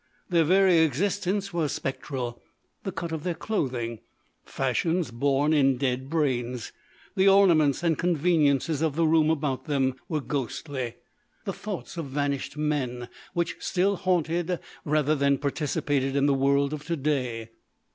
Their very existence was spectral; the cut of their clothing, fashions born in dead brains. The ornaments and conveniences of the room about them were ghostly the thoughts of vanished men, which still haunted rather than participated in the world of to day.